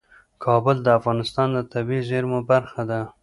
کابل د افغانستان د طبیعي زیرمو برخه ده.